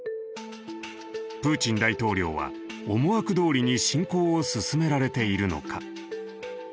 プーチン大統領は思惑通りに侵攻を進められているのか。